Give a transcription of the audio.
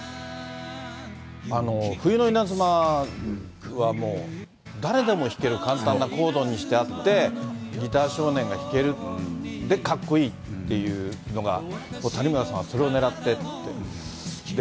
冬の稲妻はもう誰でも弾ける簡単なコードにしてあって、ギター少年が弾ける、で、かっこいいっていうのが、谷村さんはそれをねらってって。